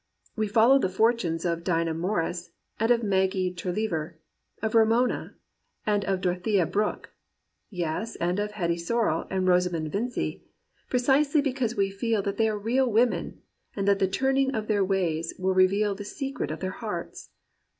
We follow the fortunes of Dinah Morris and of Maggie Tulliver, of Romola, and of Dorothea Brooke — yes, and of Hetty Sorrel and Rosamund Vincy — precisely because we feel that they are real women and that the turning of their ways will re veal the secret of their hearts.